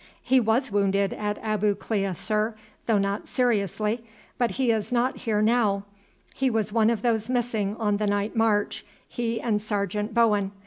"He was wounded at Abu Klea, sir, though not seriously; but he is not here now, he was one of those missing on the night march, he and Sergeant Bowen.